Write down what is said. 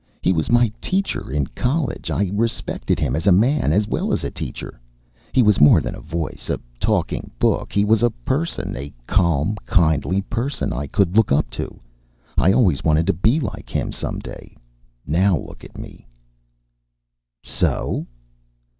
"He was my teacher in college. I respected him as a man, as well as a teacher. He was more than a voice, a talking book. He was a person, a calm, kindly person I could look up to. I always wanted to be like him, someday. Now look at me." "So?"